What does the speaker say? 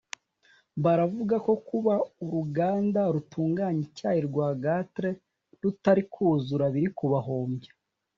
baravuga ko kuba uruganda rutunganya icyayi rwa Gatre rutari kuzura biri kubahombya